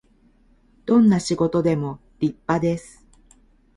どんな仕事でも立派です